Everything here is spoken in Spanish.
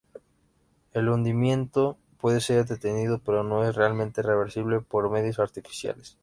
El hundimiento puede ser detenido, pero no es realmente reversible por medios artificiales.